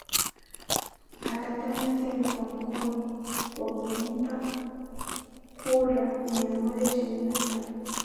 akata tena kwa mkono wakamupa kura mia moja ishirini na tano